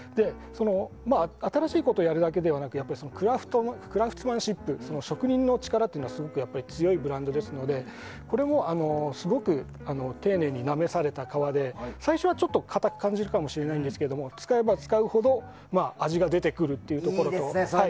新しいことをやるだけでなくてクラフトマンシップ、職人の力がすごく強いブランドですのでこれもすごく丁寧になめされた革で最初はかたく感じるかもしれないんですが使えば使うほど味が出てくるというところで。